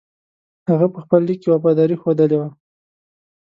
هغه په خپل لیک کې وفاداري ښودلې وه.